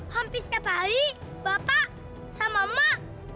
hampir setiap hari bapak sama emak